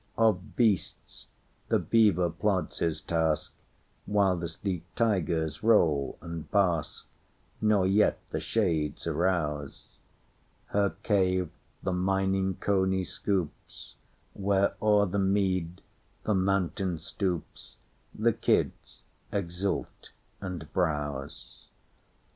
Of beasts—the beaver plods his task; While the sleek tigers roll and bask, Nor yet the shades arouse; Her cave the mining coney scoops; Where o'er the mead the mountain stoops, The kids exult and browse.